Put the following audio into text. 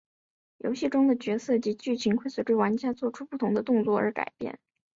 游戏中的角色及剧情会随玩家作出的不同动作而改变。